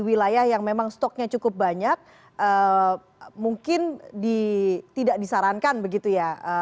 wilayah yang memang stoknya cukup banyak mungkin tidak disarankan begitu ya